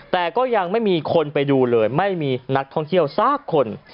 แต่ก็ยังไม่มีคนไปดูเลยไม่มีนักท่องเที่ยวสักคน